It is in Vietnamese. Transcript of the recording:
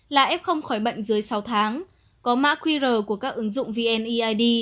là f không khỏi bệnh dưới sáu tháng có mã qr của các ứng dụng vneid